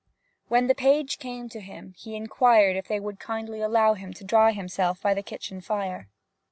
When a page came to him he inquired if they would kindly allow him to dry himself by the kitchen fire.